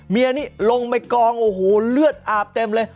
เมียนี่ลงไปกองโอ้โหเลือดอาบเต็มเลย